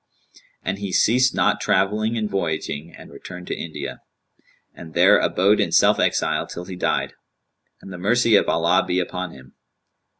'[FN#195] And he ceased not travelling and voyaging and returned to India; and there abode in self exile till he died; and the mercy of Allah be upon him!